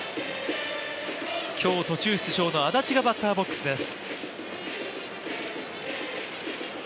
今日、途中出場の安達がバッターボックスです。